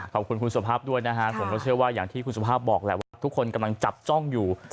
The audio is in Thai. ขอบคุณคุณสุภาพด้วยนะฮะผมก็เชื่อว่าอย่างที่คุณสุภาพบอกแหละว่าทุกคนกำลังจับจ้องอยู่